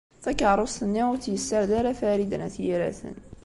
Takeṛṛust-nni ur tt-yessared Farid n At Yiraten.